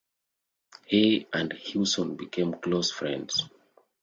He and Hewson became close friends.